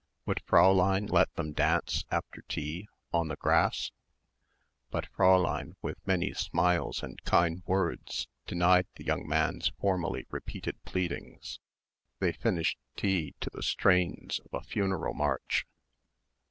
Would Fräulein let them dance after tea, on the grass? But Fräulein with many smiles and kind words denied the young man's formally repeated pleadings. They finished tea to the strains of a funeral march.